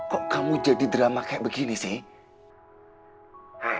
kok kamu jadi drama kayak begini sih